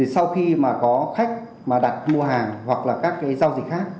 sau khi mà có khách mà đặt mua hàng hoặc là các cái giao dịch khác